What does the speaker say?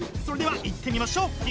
それではいってみましょう！